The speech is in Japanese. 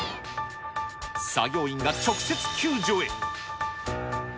作業員が直接救助へ。